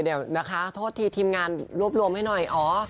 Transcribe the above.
เดี๋ยวนะคะโทษทีทีมงานรวบรวมให้หน่อยอ๋อ